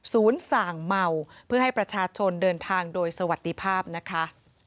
ส่างเมาเพื่อให้ประชาชนเดินทางโดยสวัสดีภาพนะคะ